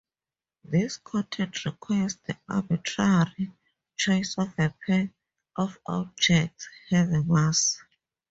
This constant requires the arbitrary choice of a pair of objects having mass.